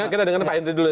kita dengar pak hendri dulu